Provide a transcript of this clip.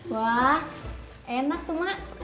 wah enak tuh mak